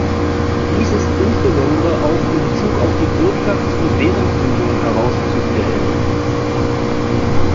Dies ist insbesondere auch in bezug auf die Wirtschafts- und Währungsunion herauszustellen.